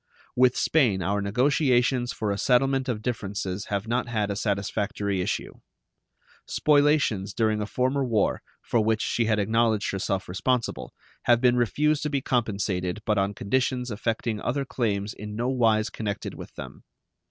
With Spain our negotiations for a settlement of differences have not had a satisfactory issue. Spoliations during a former war, for which she had acknowledged herself responsible, have been refused to be compensated but on conditions affecting other claims in no wise connected with them.